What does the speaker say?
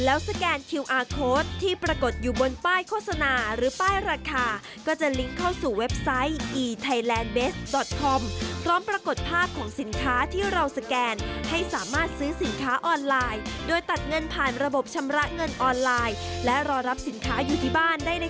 เอาอยู่ที่บ้านได้เลยค่ะ